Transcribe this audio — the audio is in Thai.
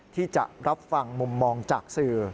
ที่จะรับฟังมุมมองจากสื่อ